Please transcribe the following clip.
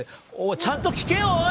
ちゃんと聞けよおい！